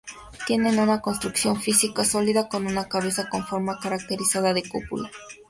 Tienen una construcción física sólida, con una cabeza con forma característica de cúpula.